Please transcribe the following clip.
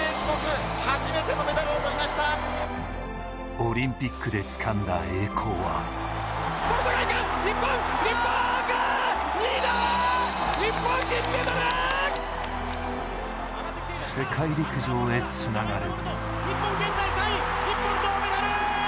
オリンピックでつかんだ栄光は世界陸上へつながる。